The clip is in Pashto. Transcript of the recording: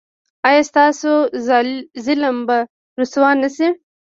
ایا ستاسو ظالم به رسوا نه شي؟